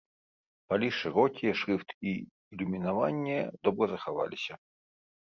Палі шырокія, шрыфт і ілюмінаванне добра захаваліся.